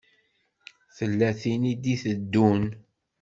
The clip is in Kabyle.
Tella tin i d-iteddun.